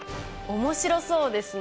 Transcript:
面白そうですね。